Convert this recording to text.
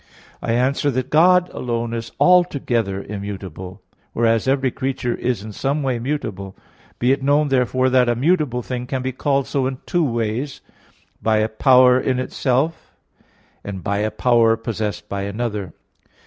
I answer that, God alone is altogether immutable; whereas every creature is in some way mutable. Be it known therefore that a mutable thing can be called so in two ways: by a power in itself; and by a power possessed by another.